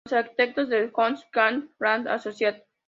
Los arquitectos son Hopkins Architects, Grant Associates.